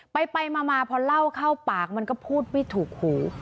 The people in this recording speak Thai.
ไปมาพอเล่าเข้าปากมันก็พูดไม่ถูกหู